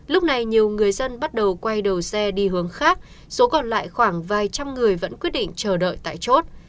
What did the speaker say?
lúc này nhiều người dân bắt đầu quay đầu xe đi hướng khác số còn lại khoảng vài trăm người vẫn quyết định chờ đợi tại chốt